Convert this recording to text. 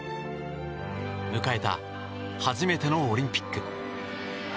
迎えた初めてのオリンピック。